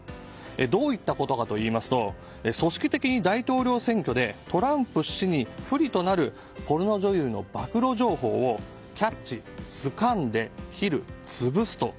どういったことかといいますと組織的に大統領選挙でトランプ氏に不利となるポルノ女優の暴露情報をキャッチ、つかんでキル、潰すと。